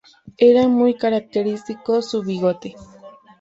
Era muy característico su bigote.